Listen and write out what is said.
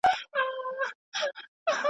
نن دي بیا اوږدو نکلونو ته زړه کیږي .